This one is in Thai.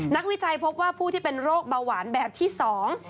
วิจัยพบว่าผู้ที่เป็นโรคเบาหวานแบบที่สอง